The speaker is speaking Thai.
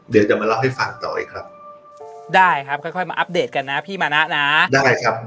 เดี๋ยวจะมาเล่าให้ฟังต่ออีกครับได้ครับค่อยค่อยมาอัปเดตกันนะพี่มานะนะยังไงครับ